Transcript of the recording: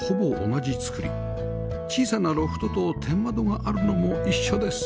小さなロフトと天窓があるのも一緒です